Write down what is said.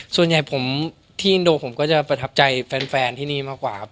ส่วนใหญ่ผมที่อินโดผมก็จะประทับใจแฟนที่นี่มากกว่าครับ